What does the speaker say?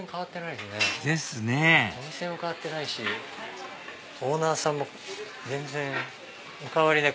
ですねお店も変わってないしオーナーさんも全然お変わりなく。